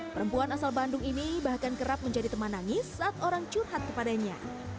perempuan asal bandung ini bahkan kerap menjadi teman nangis saat orang curhat kepadanya